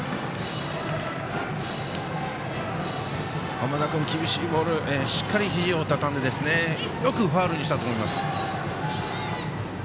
濱田君、厳しいボールしっかり、ひじを畳んでよくファウルにしたと思います。